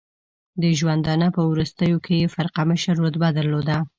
د ژوندانه په وروستیو کې یې فرقه مشر رتبه درلوده.